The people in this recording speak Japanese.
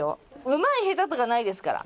うまい下手とかないですから。